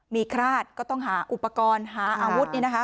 มีคราดก็ต้องหาอุปกรณ์หาอาวุธนี่นะคะ